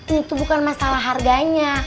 ini tuh bukan masalah harganya